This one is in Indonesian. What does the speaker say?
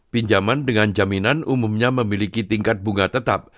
pinjaman dengan jaminan umumnya memiliki tingkat bunga tetap